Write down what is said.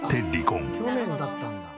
去年だったんだ。